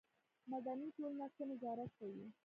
مدني ټولنه څه نظارت کوي؟